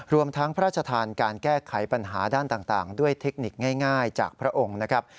รวมทั้งพระราชทานการแก้ไขปัญหาด้านต่างด้วยเทคนิคง่ายจากพระองค์นะครับ